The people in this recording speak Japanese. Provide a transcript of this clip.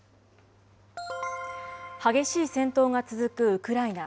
激しい戦闘が続くウクライナ。